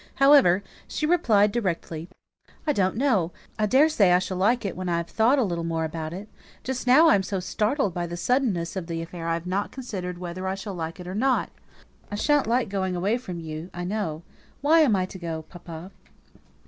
However, she replied directly, "I don't know I daresay I shall like it when I have thought a little more about it. Just now I'm so startled by the suddenness of the affair, I haven't considered whether I shall like it or not. I shan't like going away from you, I know. Why am I to go, papa?"